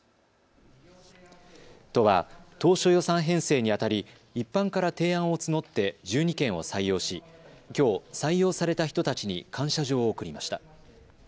都は当初予算編成にあたり一般から提案を募って１２件を採用しきょう、採用された人たちに感謝状を贈りました。